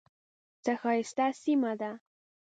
څه ښایسته سیمه ده .